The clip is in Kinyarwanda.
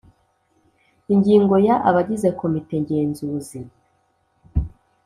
Ingingo ya Abagize Komite ngenzuzi